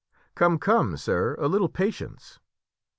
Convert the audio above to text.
"Come, come, sir, a little patience."